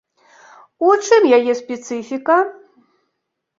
У чым яе спецыфіка?